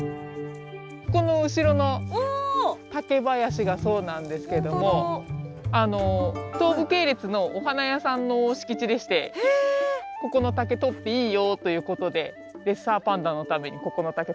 この後ろの竹林がそうなんですけども東武系列のお花屋さんの敷地でして「ここの竹とっていいよ」ということでレッサーパンダのためにここの竹とらせてもらってます。